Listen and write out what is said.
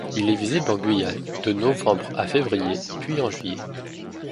Il est visible en Guyane de novembre à février puis en juillet.